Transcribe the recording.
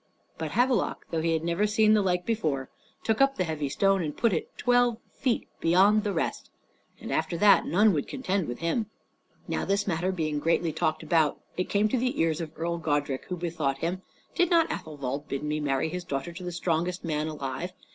But Havelok, though he had never seen the like before, took up the heavy stone, and put it twelve feet beyond the rest, and after that none would contend with him. Now this matter being greatly talked about, it came to the ears of Earl Godrich, who bethought him "Did not Athelwold bid me marry his daughter to the strongest man alive?